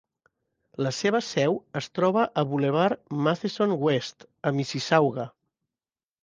La seva seu es troba a Boulevard Matheson West, a Mississauga.